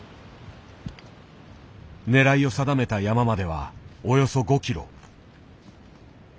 狙いを定めた山まではおよそ５キロ。